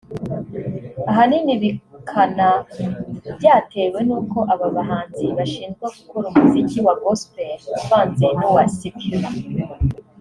Ahanini bikana byatewe n'uko aba bahanzi bashinjwa gukora umuziki wa Gospel uvanze n'uwa secular